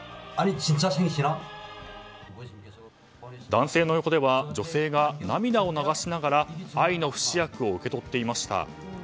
男性の横では女性が涙を流しながら愛の不死薬を受け取っていました。